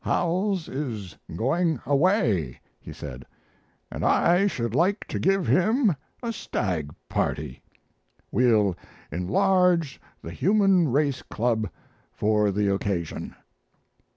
"Howells is going away," he said, "and I should like to give him a stag party. We'll enlarge the Human Race Club for the occasion."